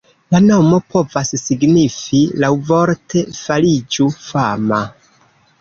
La nomo povas signifi laŭvorte "fariĝu fama".